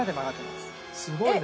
すごいね。